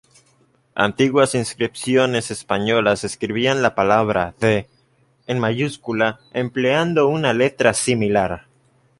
Antiguas inscripciones españolas escribían la palabra "de" en mayúscula empleando una letra similar.